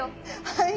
はい。